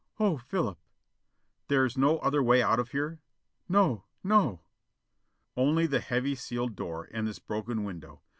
"Oh. Philip!" "There's no other way out of here?" "No! No!" Only the heavy sealed door, and this broken window.